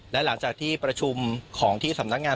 และหลังจากที่ประชุมของที่สำนักงาน